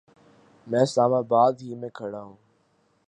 میں اسلام آباد ہی میں کھڑا ہوں